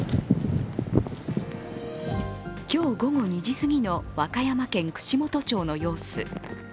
今日午後２時過ぎの和歌山県串本町の様子。